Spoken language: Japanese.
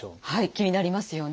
気になりますよね。